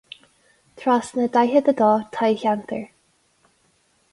Trasna daichead a dó toghcheantar.